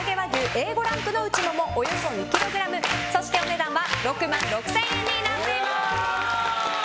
Ａ５ランクのうちもも、およそ２ｋｇそしてお値段は６万６０００円になっています。